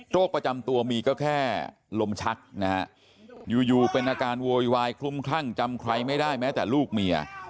ประจำตัวมีก็แค่ลมชักนะฮะอยู่เป็นอาการโวยวายคลุมคลั่งจำใครไม่ได้แม้แต่ลูกเมีย